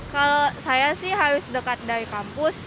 kalau saya sih harus dekat dari kampus